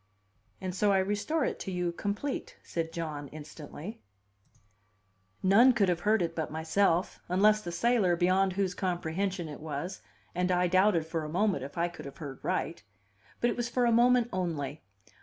"And so I restore it to you complete," said John, instantly. None could have heard it but myself unless the sailor, beyond whose comprehension it was and I doubted for a moment if I could have heard right; but it was for a moment only.